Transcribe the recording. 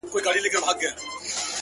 څه مسافره یمه خير دی ته مي ياد يې خو؛